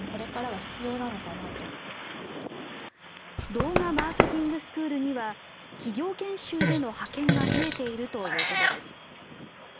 動画マーケティングスクールには企業研修での派遣が増えているということです。